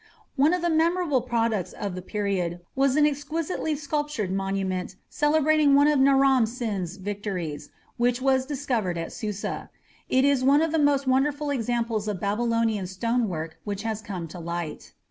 One of the memorable products of the period was an exquisitely sculptured monument celebrating one of Naram Sin's victories, which was discovered at Susa. It is one of the most wonderful examples of Babylonian stone work which has come to light.